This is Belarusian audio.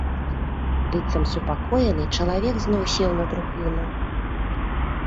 Быццам супакоены, чалавек зноў сеў на трухліну.